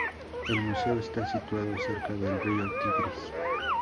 El museo está situado cerca del río Tigris.